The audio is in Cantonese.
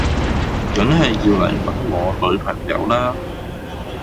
梗係要嚟搵我女朋友啦